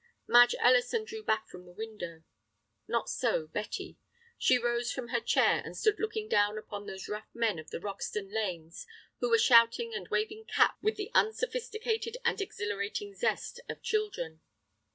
Madge Ellison drew back from the window. Not so Betty. She rose from her chair, and stood looking down upon those rough men of the Roxton lanes who were shouting and waving caps with the unsophisticated and exhilarating zest of children.